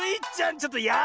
ちょっとやるな！